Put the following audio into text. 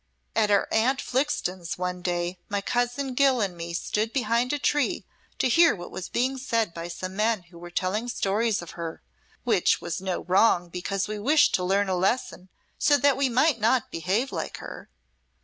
At our Aunt Flixton's one day, my cousin Gill and me stood behind a tree to hear what was being said by some men who were telling stories of her (which was no wrong because we wished to learn a lesson so that we might not behave like her).